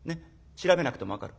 調べなくても分かる。